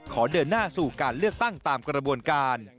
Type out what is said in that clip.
เดินหน้าสู่การเลือกตั้งตามกระบวนการ